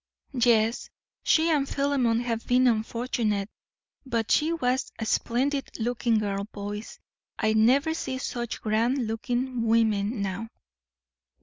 "Yes, she and Philemon have been unfortunate; but she was a splendid looking girl, boys. I never see such grand looking women now."